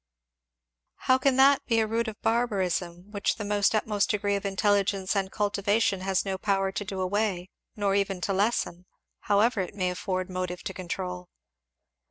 "How can that be a root of barbarism, which the utmost degree of intelligence and cultivation has no power to do away, nor even to lessen, however it may afford motive to control?